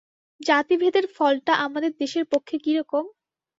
জাতিভেদের ফলটা আমাদের দেশের পক্ষে কী রকম?